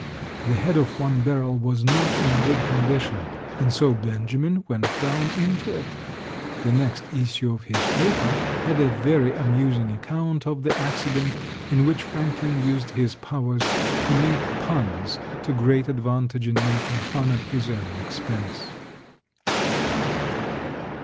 The head of one barrel was not in good condition, and so Benjamin went down into it. The next issue of his paper had a very amusing account of the accident in which Franklin used his powers to make puns to great advantage in making fun at his own expense.